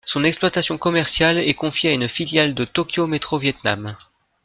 Son exploitation commerciale est confiée à une filiale de Tokyo Metro Vietnam.